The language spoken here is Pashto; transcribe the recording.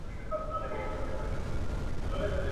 دا پېغلتوب مي په غم زوړکې.